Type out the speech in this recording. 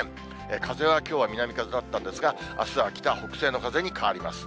風はきょうは南風だったんですが、あすは北、北西の風に変わります。